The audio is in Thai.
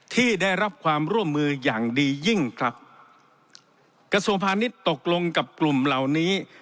ที่ได้รับความร่วมมืออย่างดียิ่งครับกระทรวงพาณิชย์ตกลงกับกลุ่มเหล่านี้